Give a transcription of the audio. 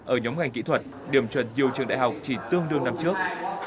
ở nhóm ngành kỹ thuật điểm chuẩn nhiều trường đại học chỉ tương đương năm trước